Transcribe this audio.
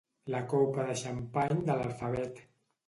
La copa de xampany de l'alfabet.